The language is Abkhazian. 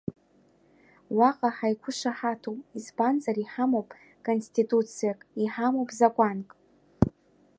Уаҟа ҳаиқәышаҳаҭуп, избанзар иҳамоуп конституциак, иҳамоуп закәанк.